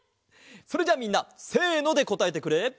それじゃあみんな「せの」でこたえてくれ！